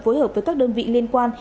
phối hợp với các đơn vị liên quan